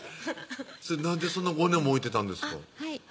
なんでそんな５年も置いてたんですか？